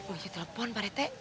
bisa telepon pak rete